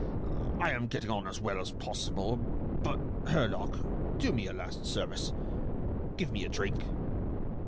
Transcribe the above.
I am getting on as well as possible. But, Herlock, do me a last service: give me a drink."